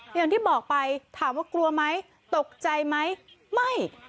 อย่างที่บอกไปถามว่ากลัวไหมตกใจไหมไม่